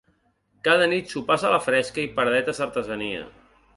Cada nit sopars a la fresca i paradetes d’artesania.